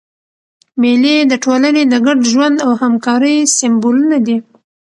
مېلې د ټولني د ګډ ژوند او همکارۍ سېمبولونه دي.